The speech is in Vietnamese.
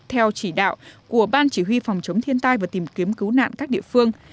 theo chỉ đạo của ban chỉ huy phòng chống thiên tai và tìm kiếm cứu nạn các địa phương